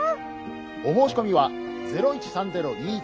「お申し込みは０１３０−２１」。